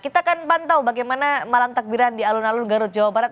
kita akan pantau bagaimana malam takbiran di alun alun garut jawa barat